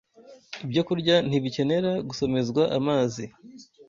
Ibyo kurya ntibikenera gusomezwa amazi